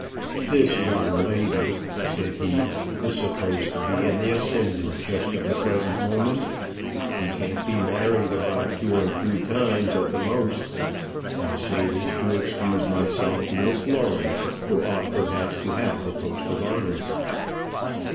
"This young lady," said he, "is supposed to be in the ascendant just at the present moment. She can't be married above two or three times at the most. I say this to excuse myself to Miss Lawrie, who ought perhaps to have the post of honour."